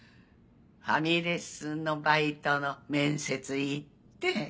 ファミレスのバイトの面接行って。